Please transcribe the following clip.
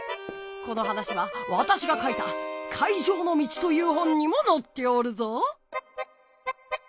この話はわたしが書いた「海上の道」という本にものっておるぞ。